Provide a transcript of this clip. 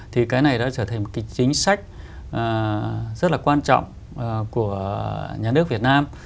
thì cái này đã trở thành một cái chính sách rất là quan trọng của nhà nước việt nam